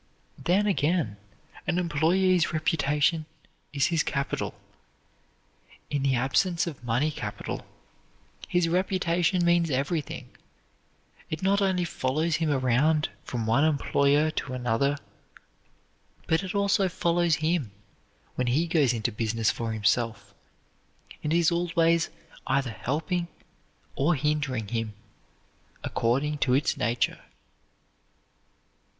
Then again, an employee's reputation is his capital. In the absence of money capital, his reputation means everything. It not only follows him around from one employer to another, but it also follows him when he goes into business for himself, and is always either helping or hindering him, according to its nature.